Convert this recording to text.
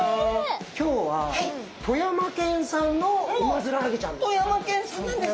今日は富山県産のウマヅラハギちゃんです。